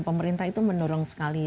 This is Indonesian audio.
pemerintah itu mendorong sekali